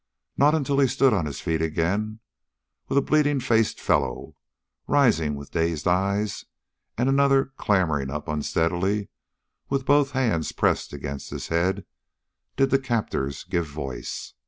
Not until he stood on his feet again, with a bleeding faced fellow rising with dazed eyes, and another clambering up unsteadily, with both hands pressed against his head, did the captors give voice.